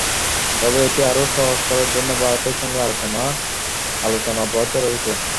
তবে এটি আরও সহজ করার জন্য ভারতের সঙ্গে আলোচনা অব্যাহত রয়েছে।